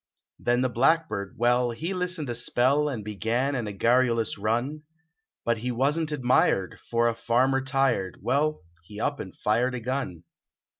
Then the blackbird, well, he listened a spell And began in garrulous run, Hut he wasn t admired, for a farmer tired Well, he up and fired a gun.